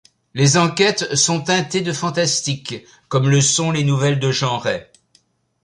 Les enquêtes sont teintées de fantastique comme le sont les nouvelles de Jean Ray.